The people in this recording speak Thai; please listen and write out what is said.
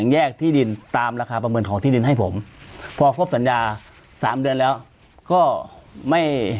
แยกที่ดินตามราคาประเมินของที่ดินให้ผมพอครบสัญญาสามเดือนแล้วก็ไม่